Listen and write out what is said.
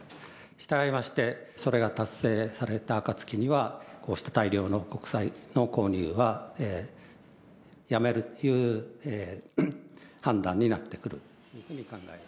したがいまして、それが達成された暁には、こうした大量の国債の購入はやめるという判断になってくる。